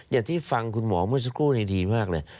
อย่างที่ฟังคุณหมอเมื่อสักครู่นี้ดีมากเลย